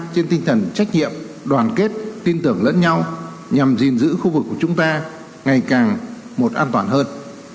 trên tinh thần trách nhiệm đoàn kết tin tưởng lẫn nhau nhằm gìn giữ khu vực của chúng ta ngày càng một an toàn hơn